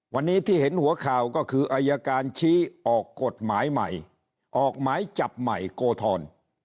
วันนี้ที่เห็นหัวข่าวก็คืออายการชี้ออกกฎหมายใหม่ออกหมายจับใหม่โกธร